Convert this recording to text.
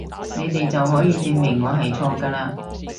你哋就可以證明我係錯㗎嘞！